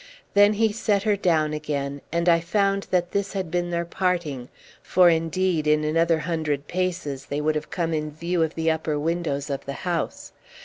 Then he set her down again, and I found that this had been their parting; for, indeed, in another hundred paces they would have come in view of the upper windows of the house.